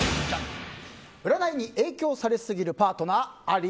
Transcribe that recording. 占いに影響されすぎるパートナーあり？